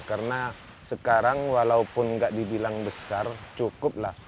karena sekarang walaupun tidak dibilang besar cukup lah